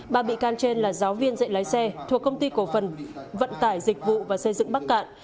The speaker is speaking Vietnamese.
ba bị can trên là giáo viên dạy lái xe thuộc công ty cổ phần vận tải dịch vụ và xây dựng bắc cạn